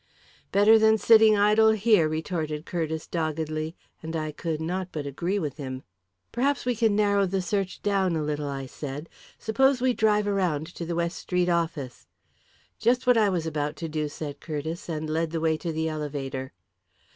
"Better than sitting idle here," retorted Curtiss doggedly; and I could not but agree with him. "Perhaps we can narrow the search down a little," I said. "Suppose we drive around to the West Street office." "Just what I was about to do," said Curtiss, and led the way to the elevator.